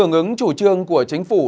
hưởng ứng chủ trương của chính phủ